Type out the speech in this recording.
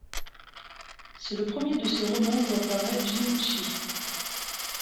C'est le premier de ses romans où apparaît Jim Chee.